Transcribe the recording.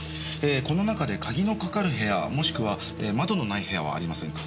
この中で鍵のかかる部屋もしくは窓のない部屋はありませんか？